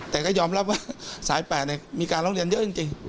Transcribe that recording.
แต่ก็ยอมรับว่าสาย๘มีการร้องเรียนเยอะจริง